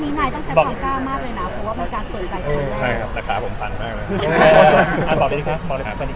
ใช่นะแต่ขาผมสั้นมากเลย